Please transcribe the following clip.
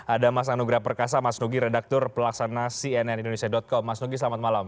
ada mas anugrah perkasa mas nugi redaktur pelaksana cnn indonesia com mas nugi selamat malam